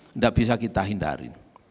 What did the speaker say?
tidak bisa kita hindari